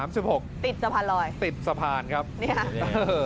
ติดสะพานลอยติดสะพานครับเนี่ยเออ